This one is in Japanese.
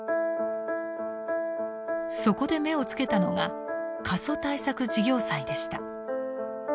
そこで目をつけたのが「過疎対策事業債」でした。